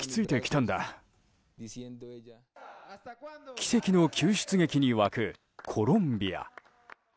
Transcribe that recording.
奇跡の救出劇に沸くコロンビア。